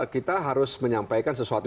kita harus menyampaikan sesuatu